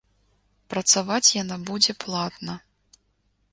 Працаваць яна будзе платна.